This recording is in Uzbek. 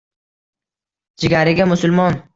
Jigariga musulmon?